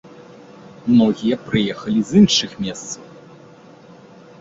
Многія прыехалі з іншых месцаў.